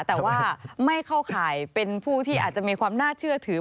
แต่ว่าไม่เข้าข่ายเป็นผู้ที่อาจจะมีความน่าเชื่อถือ